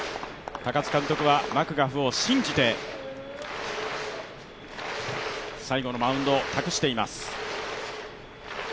高津監督はマクガフを信じて最後のマウンドを託しています。